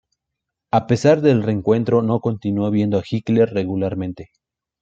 A pesar del reencuentro no continuó viendo a Hitler regularmente.